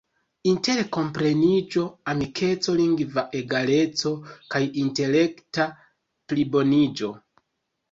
interkompreniĝo, amikeco, lingva egaleco, kaj intelekta pliboniĝo.